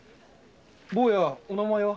坊やお名前は？